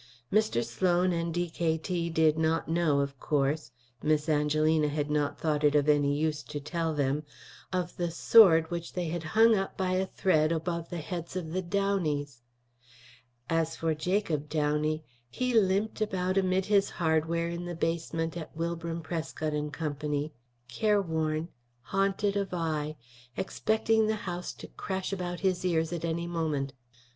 Mr. Sloan and D.K.T. did not know, of course Miss Angelina had not thought it of any use to tell them of the sword which they had hung up by a thread above the heads of the Downeys. As for Jacob Downey, he limped about amid his hardware in the basement at Wilbram, Prescott & Co.s, careworn, haunted of eye, expecting the house to crash about his ears at any moment.